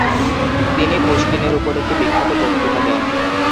তিনি পুশকিনের উপর একটি বিখ্যাত বক্তৃতা দেন।